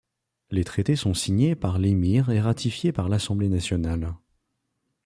Les traités sont signés par l’Émir et ratifiés par l'Assemblée nationale.